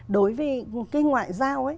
đối với cái ngoại giao